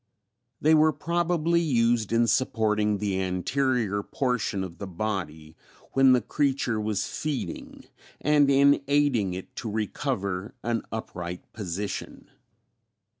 They were probably used in supporting the anterior portion of the body when the creature was feeding, and in aiding it to recover an upright position.